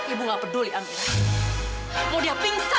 ibu nggak peduli amira